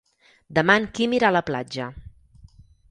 Demà en Quim irà a la platja.